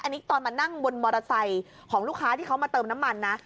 อันนี้ตอนมานั่งบนมอเตอร์ไซค์ของลูกค้าที่เขามาเติมน้ำมันนะ